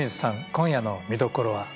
今夜の見どころは？